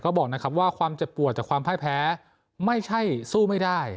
ก็บอกนะครับว่าความเจ็บปวดจากความพ่ายแพ้ไม่ใช่สู้ไม่ได้